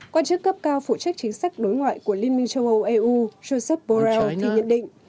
quan chức cấp cao phụ trách chính sách đối ngoại của liên minh châu âu eu joseph borrell thì nhận định